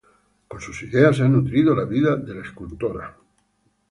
Con sus ideas ha nutrido la vida de la escultora.